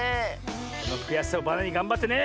そのくやしさをバネにがんばってね！